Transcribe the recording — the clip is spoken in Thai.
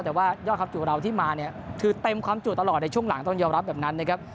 แต่ว่ายอดความจุเราที่มาเนี่ยคือเต็มความจุตลอดในช่วงหลังต้องยอมรับแบบนั้นนะครับ